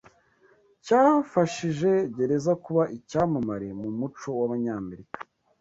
cyafashije gereza kuba icyamamare mu muco w'Abanyamerika